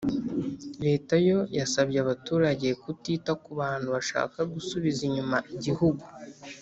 Leta yo yasabye abaturage kutita kubantu bashaka gusubiza inyuma igihugu